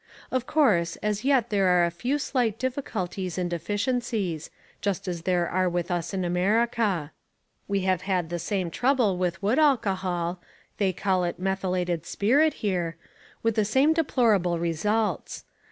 Of course, as yet there are a few slight difficulties and deficiencies, just as there are with us in America. We have had the same trouble with wood alcohol (they call it methylated spirit here), with the same deplorable results.